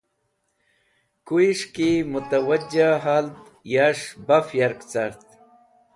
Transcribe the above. Kuyẽs̃h ki mutawaja hald yas̃h baf yark cart.